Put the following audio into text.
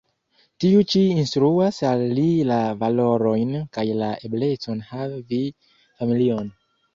Tiu ĉi instruas al li la valorojn kaj la eblecon havi familion.